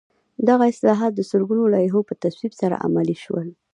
دغه اصلاحات د سلګونو لایحو په تصویب سره عملي شول.